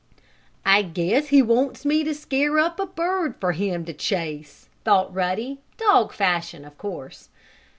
"I guess he wants me to scare up a bird for him to chase," thought Ruddy, dog fashion, of course.